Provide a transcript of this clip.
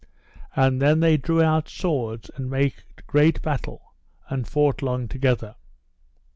And then they drew out swords and made great battle, and fought long together.